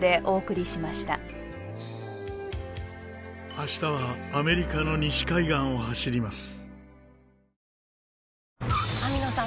明日はアメリカの西海岸を走ります。